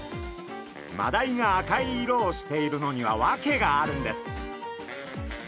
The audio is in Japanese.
マダイが赤い色をしているのには訳があるんです。